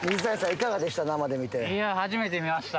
いかがでした？